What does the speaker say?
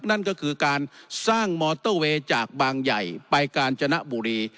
นั่นก็คือการสร้างมอเตอร์เวย์จากบางใหญ่ไปกาญจนบุรี